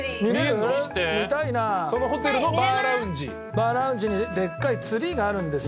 バーラウンジにでっかいツリーがあるんですよ。